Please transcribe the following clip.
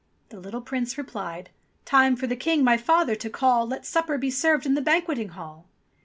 the little Prince replied : "Time for the King my father to call 'Let supper be served in the banqueting hall.'"